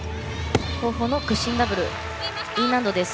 後方の屈身ダブルＥ難度です。